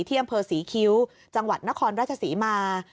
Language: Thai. ที่อำเภอศรีคิ้วจังหวัดนครราชศรีมา